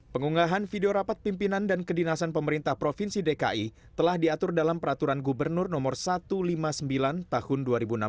pengunggahan video rapat pimpinan dan kedinasan pemerintah provinsi dki telah diatur dalam peraturan gubernur no satu ratus lima puluh sembilan tahun dua ribu enam belas